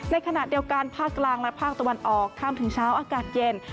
ในขณะเดียวกันภาคกลางและภาคตะวันออกข้ามถึงเช้าอากาศเย็น